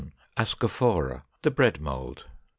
Ascophora, the Bread Mould.